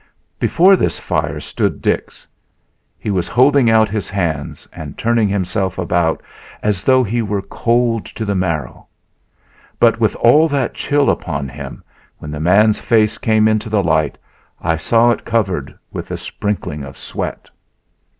Before this fire stood Dix. He was holding out his hands and turning himself about as though he were cold to the marrow; but with all that chill upon him, when the man's face came into the light I saw it covered with a sprinkling of sweat.